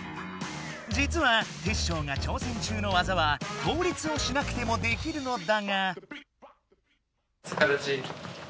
じつはテッショウがちょうせん中のわざは倒立をしなくてもできるのだが。